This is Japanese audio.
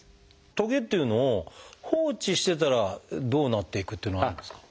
トゲっていうのを放置してたらどうなっていくっていうのはあるんですか？